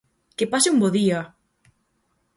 ¡Que pase un bo día!